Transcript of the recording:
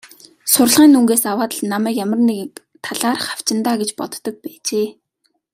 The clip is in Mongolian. Сурлагын дүнгээс аваад л намайг ямар нэг талаар хавчина даа гэж боддог байжээ.